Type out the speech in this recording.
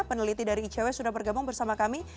peneliti dari icw sudah bergabung bersama kami